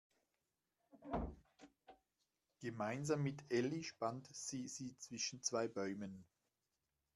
Gemeinsam mit Elli spannt sie sie zwischen zwei Bäumen.